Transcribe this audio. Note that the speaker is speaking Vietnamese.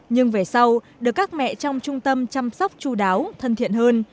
nhưng về sau được các mẹ trong trung tâm chăm sóc chú đáo thân thiện hơn